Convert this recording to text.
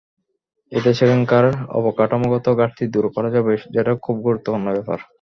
এতে সেখানকার অবকাঠামোগত ঘাটতি দূর করা যাবে, যেটা খুব গুরুত্বপূর্ণ ব্যাপার।